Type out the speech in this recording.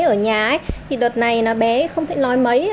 bé ở nhà thì đợt này bé không thể nói mấy